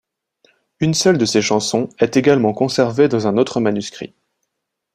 Une seule de ces chansons est également conservée dans un autre manuscrit.